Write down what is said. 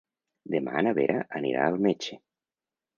Demà na Vera anirà al metge.